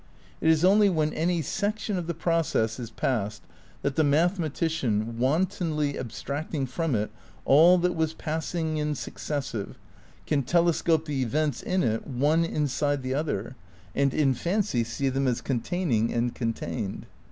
It is only when any section of the process is past that the mathematician, wantonly abstracting from it all that was passing and successive, can telescope the events in it one inside the other and in fancy see them as containing and contained.